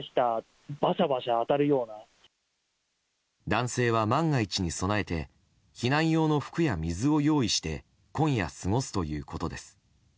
男性は万が一に備えて避難用の服や水を用意して今夜、過ごすということです。